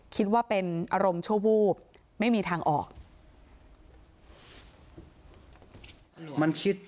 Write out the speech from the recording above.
คิดว่าเป็นอารมณ์ชั่ววูบไม่มีทางออก